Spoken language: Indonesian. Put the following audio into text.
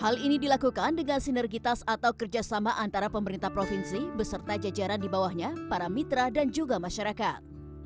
hal ini dilakukan dengan sinergitas atau kerjasama antara pemerintah provinsi beserta jajaran di bawahnya para mitra dan juga masyarakat